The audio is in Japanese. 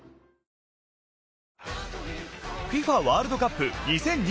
ＦＩＦＡワールドカップ２０２２。